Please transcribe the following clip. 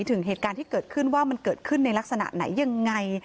ถึงเหตุการณ์ที่เกิดขึ้นว่ามันเกิดขึ้นในลักษณะไหนยังไง